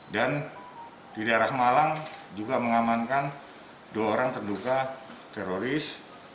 dan di daerah malang juga mengamankan dua orang terduga teroris